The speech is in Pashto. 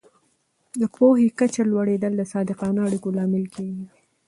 د پوهې کچه لوړېدل د صادقانه اړیکو لامل کېږي.